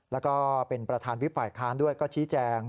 แล้วก็เป็นประธานวิบฝ่ายค้านด้วยก็ชี้แจง